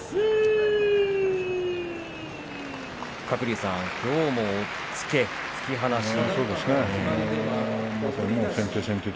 鶴竜さん、きょうも押っつけ突き放し。